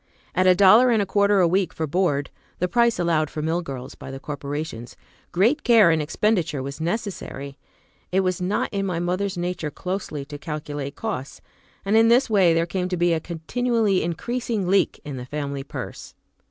At a dollar and a quarter a week for board,(the price allowed for mill girls by the corporations) great care in expenditure was necessary. It was not in my mother's nature closely to calculate costs, and in this way there came to be a continually increasing leak in the family purse.